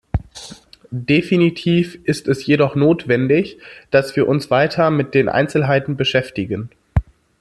Definitiv ist es jedoch notwendig, dass wir uns weiter mit den Einzelheiten beschäftigen.